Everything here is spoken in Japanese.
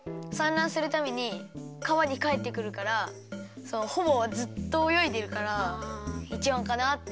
らんするためにかわにかえってくるからほぼずっとおよいでるから１ばんかなって。